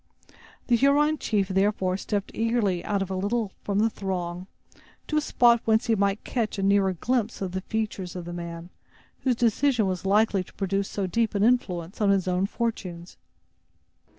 The Huron chief, therefore, stepped eagerly out a little from the throng, to a spot whence he might catch a nearer glimpse of the features of the man, whose decision was likely to produce so deep an influence on his own fortunes.